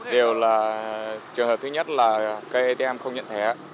đều là trường hợp thứ nhất là cây atm không nhận thẻ